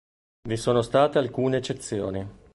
Vi sono state alcune eccezioni.